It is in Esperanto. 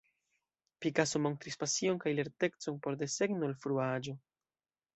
Picasso montris pasion kaj lertecon por desegno el frua aĝo.